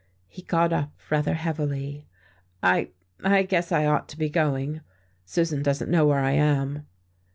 He got up rather heavily. "I I guess I ought to be going. Susan doesn't know where I am."